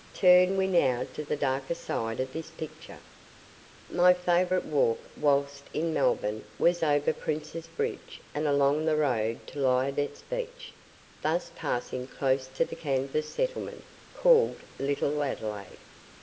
Turn we now to the darker side of this picture. My favourite walk, whilst in Melbourne, was over Prince's Bridge, and along the road to Liardet's Beach, thus passing close to the canvas settlement, called Little Adelaide.